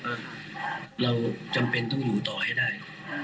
เราจำเป็นต้องอยู่ต่อให้ได้